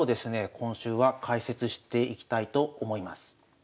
今週は解説していきたいと思います。